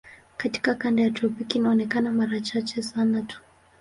Katika kanda ya tropiki inaonekana mara chache sana tu.